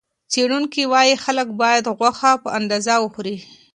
څېړونکي وايي، خلک باید غوښه په اندازه وخوري.